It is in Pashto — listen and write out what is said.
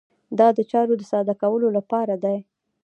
دا د چارو د ساده کولو لپاره دی.